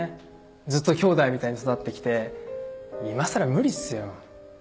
ずっときょうだいみたいに育ってきていまさら無理っすよ。